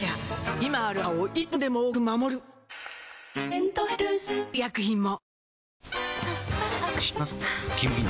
今ある歯を１本でも多く守る「デントヘルス」塗る医薬品も